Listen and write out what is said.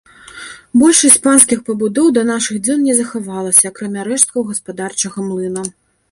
Большасць панскіх пабудоў да нашых дзён не захавалася, акрамя рэшткаў гаспадарчага млына.